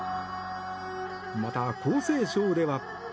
また、江西省では。